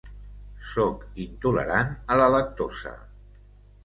Soc intolerant a la lactosa.